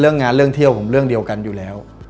งานเรื่องเที่ยวผมเรื่องเดียวกันอยู่แล้ว